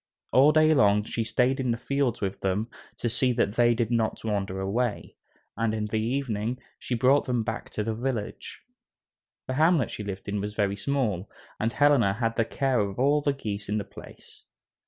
All day long she stayed in the fields with them to see that they did not wander away, and in the evening she brought them back to the village. The hamlet she lived in was very small, and Helena had the care of all the geese in the place.